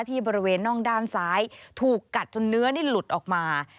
ที่บริเวณน่องด้านซ้ายถูกกัดจนเนื้อนี่หลุดออกมา